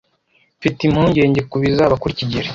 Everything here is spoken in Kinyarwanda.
Mfite impungenge kubizaba kuri kigeli.